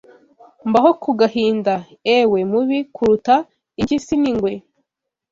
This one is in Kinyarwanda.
Mbaho ku gahinda! Ewe mubi kuruta impyisi n'ingwe